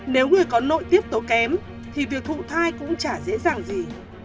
nếu người có nội tiết tố kém thì việc thụ thai cũng chả dễ dàng gì